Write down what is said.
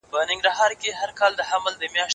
اقتصاد پوهنځۍ په غلطه توګه نه تشریح کیږي.